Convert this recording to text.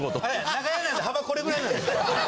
長屋なんで幅これぐらいなんです。